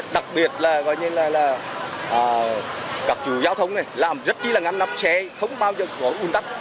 đặc biệt là các chủ giáo thông này làm rất chí là ngăn nắp chế không bao giờ có ổn tắc